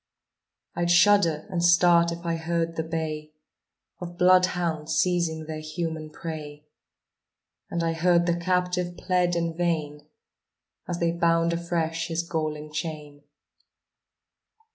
I'd shudder and start if I heard the bay Of bloodhounds seizing their human prey, And I heard the captive plead in vain As they bound afresh his galling chain.